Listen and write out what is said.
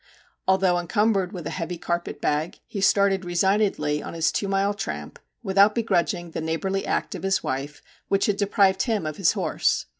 Although encumbered with a heavy carpet bag, he started resignedly on his two mile tramp without begrudging the neighbourly act of his wife which had deprived him of his horse.